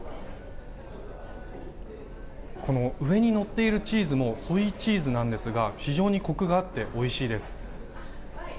この上に乗っているチーズもソイチーズなんですが非常にこくがあっておいしいです。